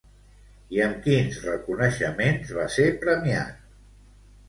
I amb quins reconeixements va ser premiat?